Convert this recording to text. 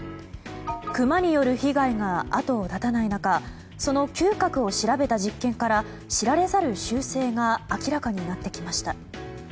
クマによる被害が後を絶たない中その嗅覚を調べた実験から知られざる習性が明らかになってきました。